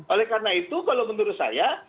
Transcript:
oleh karena itu kalau menurut saya